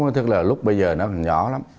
thật là lúc bây giờ nó nhỏ lắm